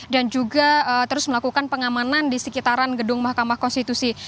dan juga terus melakukan pengamanan di sekitaran gedung mahkamah konstitusi